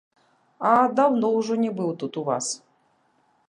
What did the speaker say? А даўно ўжо не быў тут у вас.